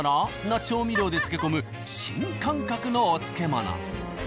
な調味料で漬け込む新感覚のお漬物。